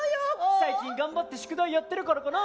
最近頑張って宿題やってるからかな。